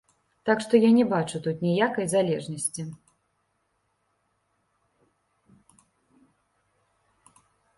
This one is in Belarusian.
Так што я не бачу тут ніякай залежнасці.